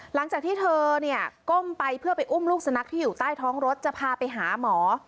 หลังจากที่เธอเนี่ยก้มไปเพื่อไปอุ้มลูกสุนัขที่อยู่ใต้ท้องรถจะพาไปหาหมอ